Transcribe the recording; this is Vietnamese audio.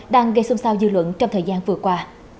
đang gây xung sao dư luận trong thời gian vừa qua